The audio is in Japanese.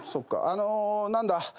あのー何だ？